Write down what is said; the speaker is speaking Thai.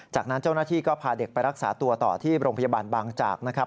จากนั้นเจ้าหน้าที่ก็พาเด็กไปรักษาตัวต่อที่โรงพยาบาลบางจากนะครับ